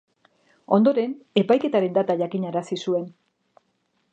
Ondoren, epaiketaren data jakinarazi zuen.